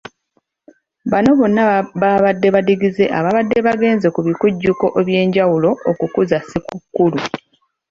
Bano bonna babadde badigize ababadde bagenze ku bikujjuko eby'enjawulo okukuza ssekukkulu.